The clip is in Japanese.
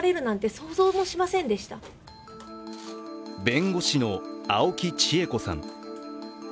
弁護士の青木智恵子さん。